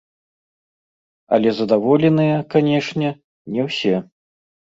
Але задаволеныя, канечне, не ўсе.